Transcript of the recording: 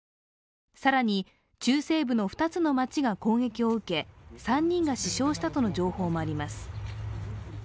更に中西部の２つの町が攻撃を受け３人が死傷したとの情報もあります